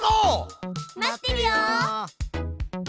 待ってるよ！